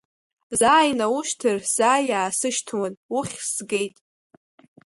Заа инаушьҭыр заа иаасышьҭуан, уххь згеит!